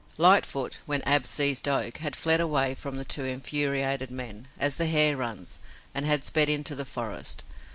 Lightfoot, when Ab seized Oak, had fled away from the two infuriated men, as the hare runs, and had sped into the forest.